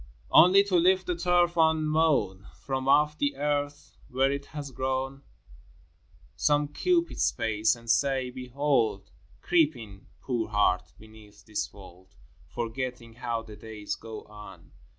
XII. Only to lift the turf unmown From off the earth where it has grown, Some cubit space, and say, " Behold, Creep in, poor Heart, beneath this fold, Forgetting how the days go on."